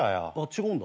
違うんだ。